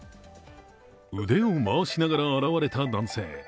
腕を回しながら現れた男性。